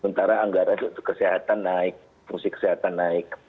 sementara anggaran untuk kesehatan naik fungsi kesehatan naik